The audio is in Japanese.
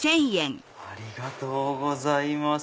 ありがとうございます。